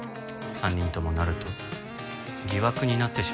３人ともなると疑惑になってしまいます。